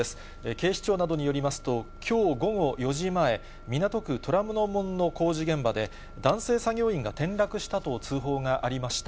警視庁などによりますと、きょう午後４時前、港区虎ノ門の工事現場で、男性作業員が転落したと通報がありました。